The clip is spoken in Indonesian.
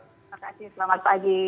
terima kasih selamat pagi